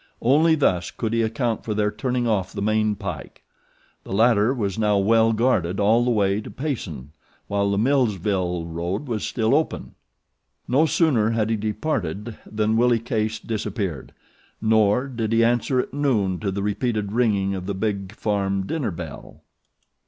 Only thus could he account for their turning off the main pike. The latter was now well guarded all the way to Payson; while the Millsville road was still open. No sooner had he departed than Willie Case disappeared, nor did he answer at noon to the repeated ringing of the big, farm dinner bell.